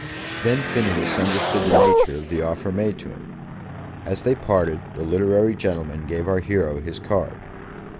Then Phineas understood the nature of the offer made to him. As they parted, the literary gentleman gave our hero his card.